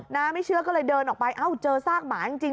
น้าไม่เชื่อก็เลยเดินออกไปเจอซากหมาจริงจริง